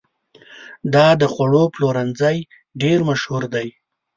دا د خوړو پلورنځی ډېر مشهور دی.